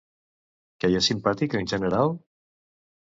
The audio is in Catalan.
Queia simpàtic en general?